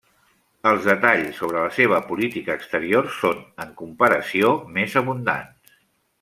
Els detalls sobre la seva política exterior són, en comparació, més abundants.